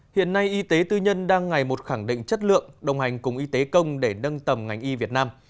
hiện nay y tế tư nhân đang ngày một khẳng định chất lượng đồng hành cùng y tế công để nâng tầm ngành y việt nam